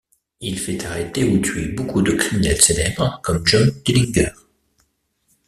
Il fait arrêter ou tuer beaucoup de criminels célèbres comme John Dillinger.